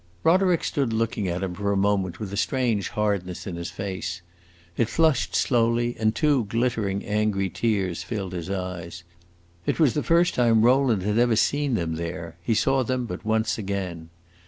Roderick stood looking at him for a moment with a strange hardness in his face. It flushed slowly, and two glittering, angry tears filled his eyes. It was the first time Rowland had ever seen them there; he saw them but once again.